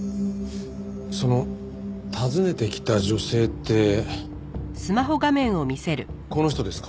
その訪ねてきた女性ってこの人ですか？